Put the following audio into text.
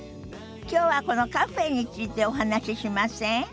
きょうはこのカフェについてお話ししません？